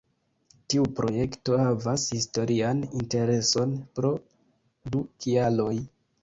Tiu projekto havas historian intereson pro du kialoj.